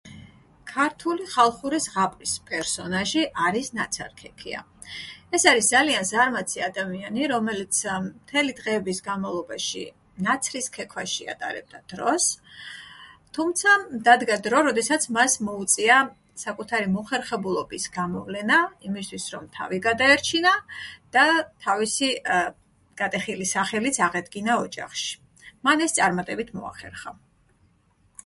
ქართული ხალხური ზღაპრის პერსონაჟი არის ნაცარქექია. ეს არის ძალიან ზარმაცი ადამიანი, რომელიც მთელი დღეების განმავლობაში ნაცრის ქექვაში ატარებდა დროს. თუმცა დადგა დრო, როდესაც მას მოუწია საკუთარი მოხერხებულობის გამოვლენა იმისთვის, რომ თავი გადაერჩინა და თავისი გატეხილი სახელიც აღედგინა ოჯახში. მან ეს წარმატებით მოახერხა.